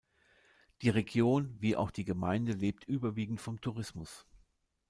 Die Region wie auch die Gemeinde lebt überwiegend vom Tourismus.